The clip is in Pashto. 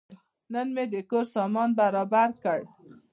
نن مې د کور سامان برابر کړ.